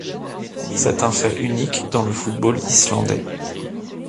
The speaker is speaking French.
C'est un fait unique dans le football islandais.